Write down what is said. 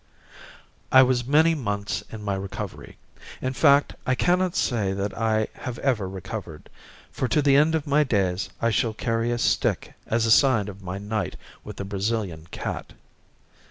I was many months in my recovery in fact, I cannot say that I have ever recovered, for to the end of my days I shall carry a stick as a sign of my night with the Brazilian cat.